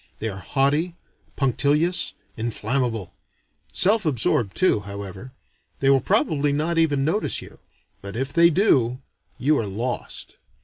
They are haughty, punctilious, inflammable: self absorbed too, however. They will probably not even notice you; but if they do, you are lost.